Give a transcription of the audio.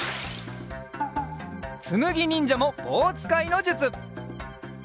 つむぎにんじゃもぼうつかいのじゅつ！